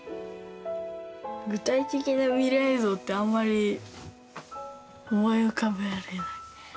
具体的な未来像ってあんまり思い浮かべられない。